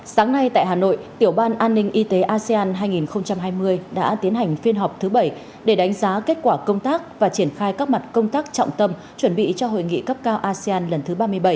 sáng nay tại hà nội tiểu ban an ninh y tế asean hai nghìn hai mươi đã tiến hành phiên họp thứ bảy để đánh giá kết quả công tác và triển khai các mặt công tác trọng tâm chuẩn bị cho hội nghị cấp cao asean lần thứ ba mươi bảy